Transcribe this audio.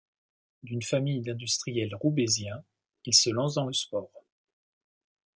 D'une famille d'industriels roubaisiens, il se lance dans le sport.